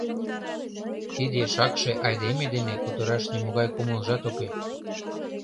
Тиде шакше айдеме дене кутыраш нимогай кумылжат уке.